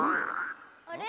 あれ？